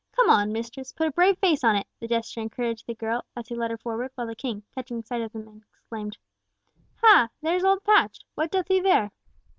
"Come on, mistress, put a brave face on it!" the jester encouraged the girl, as he led her forward, while the king, catching sight of them, exclaimed, "Ha! there's old Patch. What doth he there?"